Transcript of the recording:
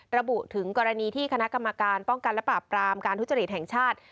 ระบุถึงกรณีที่คณะกรรมการป้องกันและปราบปรามการทุจริตแห่งชาติ